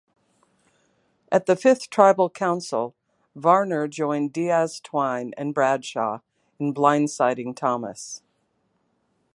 At the fifth Tribal Council, Varner joined Diaz-Twine and Bradshaw in blindsiding Thomas.